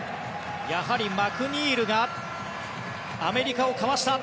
やはり、マクニールがアメリカをかわした。